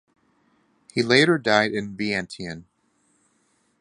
He later died in Vientiane.